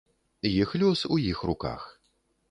Іх лёс у іх руках.